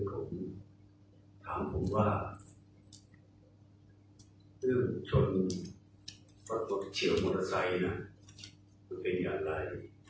ผมถามผมว่าชนประกอบเชียวมอเตอร์ไซค์เป็นอย่างไร